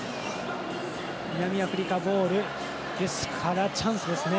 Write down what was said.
南アフリカボールですからチャンスですね。